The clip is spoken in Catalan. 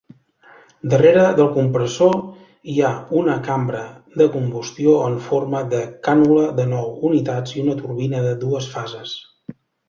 Darrere del compressor hi ha una cambra de combustió en forma de cànula de nou unitats i una turbina de dues fases.